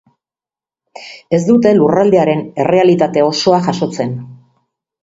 Ez dute lurraldearen errealitate osoa jasotzen.